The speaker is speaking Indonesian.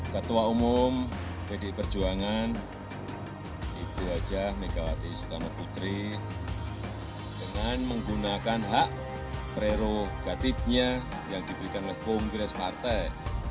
ketua umum bd perjuangan ibu hj mdk wati s putri dengan menggunakan hak prerogatifnya yang diberikan oleh kongres partai